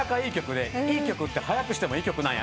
いい曲って速くしてもいい曲なんやなと。